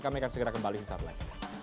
kami akan segera kembali di saat lain